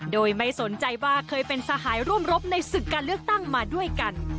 โดยไม่สนใจว่าเคยเป็นสหายร่วมรบในศึกการเลือกตั้งมาด้วยกัน